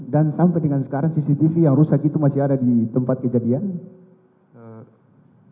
dan sampai dengan sekarang cctv yang rusak itu masih ada di tempat kejadiannya